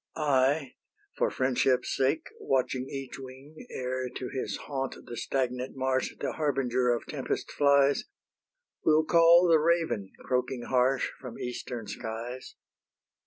I, for friendship's sake, Watching each wing, Ere to his haunt, the stagnant marsh, The harbinger of tempest flies, Will call the raven, croaking harsh, From eastern skies.